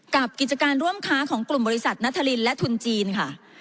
กิจการร่วมค้าของกลุ่มบริษัทนัทรินและทุนจีนค่ะ